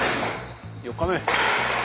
４日目。